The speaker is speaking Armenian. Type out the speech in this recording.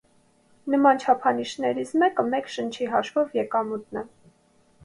Նման չափանիշներից մեկը մեկ շնչի հաշվով եկամուտն է։